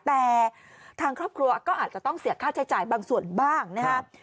แต่ทางครอบครัวก็อาจจะต้องเสียค่าใช้จ่ายบางส่วนบ้างนะครับ